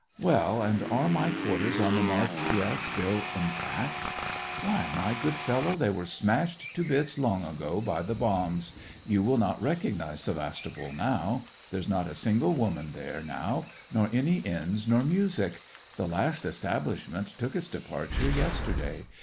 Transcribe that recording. " Well, and are my quarters on the Morskaya still intact.?" Why, my good fellow, they were smashed to bits long ago by the bombs. You will not recognize Sevastopol now ; there's not a single woman there now, nor any inns nor music ; the last establishment took its departure yesterday.